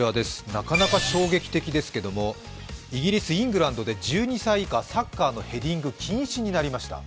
なかなか衝撃的ですけれども、イギリス、イングランドで１２歳以下サッカーのヘディング禁止になりました。